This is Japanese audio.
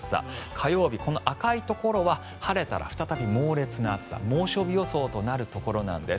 火曜日、この赤いところは晴れたら再び猛烈な暑さ猛暑日予想となるところなんです。